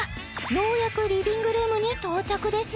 ようやくリビングルームに到着です